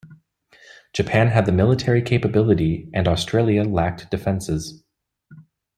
Japan had the military capability, and Australia lacked defenses.